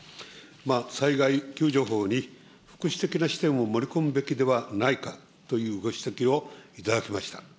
災害救助法に福祉的な視点を盛り込むべきではないかとのご指摘を頂きました。